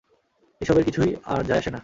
এসবের কিছুই আর যায় আসে না।